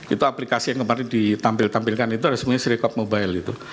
itu aplikasi yang kemarin ditampilkan itu ada semuanya sirekap mobile